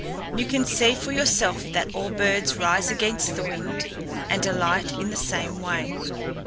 You can see for yourself that all birds rise against the wind and alight in the same way.